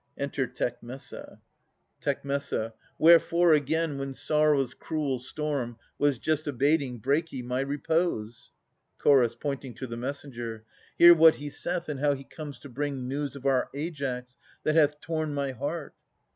Enter Tecmessa. Tec. Wherefore again, when sorrow's cruel storm Was just abating, break ye my repose? Ch. {pointing to the Messenger). Hear what he saith, and how he comes to bring News of our Aias that hath torn my heart.